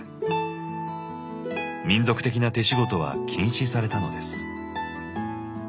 民族的な手しごとは禁止されたのです。